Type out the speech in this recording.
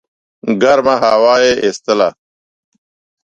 ګرمه هوا یې ایستله.